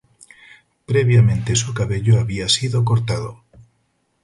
Previamente su cabello había sido cortado.